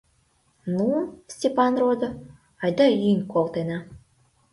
Ну, Степан родо, айда йӱын колтена!